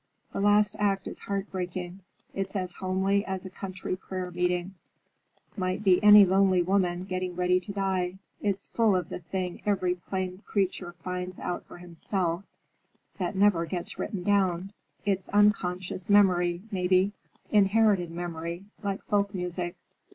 The last act is heart breaking. It's as homely as a country prayer meeting: might be any lonely woman getting ready to die. It's full of the thing every plain creature finds out for himself, but that never gets written down. It's unconscious memory, maybe; inherited memory, like folk music.